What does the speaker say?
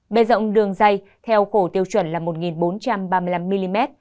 bề rộng đường dài theo cổ tiêu chuẩn là một bốn trăm ba mươi năm mm